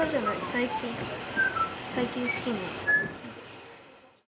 最近好きになった。